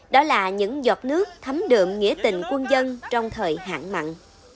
đó là những giọt nước thấm đượm nghĩa tình quân dân trong thời hạn mặn